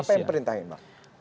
siapa yang perintahin bang